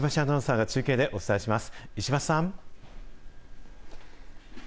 石橋アナウンサーが中継でお伝えします。